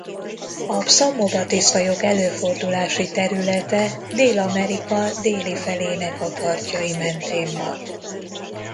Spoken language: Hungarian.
A Psammobatis-fajok előfordulási területe Dél-Amerika déli felének a partjai mentén van.